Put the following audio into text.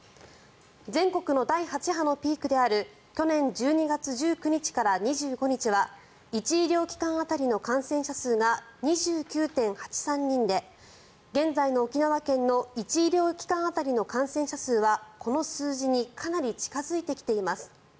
全国の第８波のピークである去年１２月１９日から２５日は１医療機関当たりの感染者数が２９．８３人で現在の沖縄県の１医療機関当たりの感染者数はこの数字にかなり近付いてきています。